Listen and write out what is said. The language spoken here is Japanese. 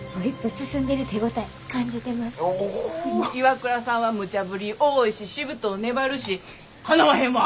岩倉さんはむちゃぶり多いししぶとう粘るしかなわへんわ。